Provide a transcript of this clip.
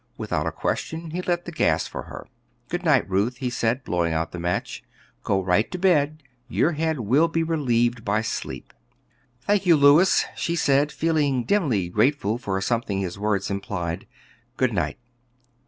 Without a question he lit the gas for her. "Good night, Ruth," he said, blowing out the match. "Go right to bed; your head will be relieved by sleep." "Thank you, Louis," she said, feeling dimly grateful for something his words implied; "good night."